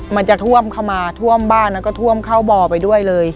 มันจะท่วมเข้ามาท่วมบ้านแล้วก็ท่วมเข้าบ่อไปด้วยเลย